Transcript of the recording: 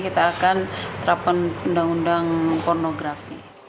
kita akan terapkan undang undang pornografi